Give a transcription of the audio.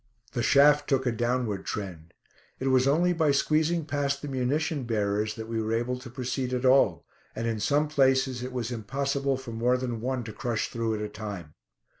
The shaft took a downward trend. It was only by squeezing past the munition bearers that we were able to proceed at all, and in some places it was impossible for more than one to crush through at a time.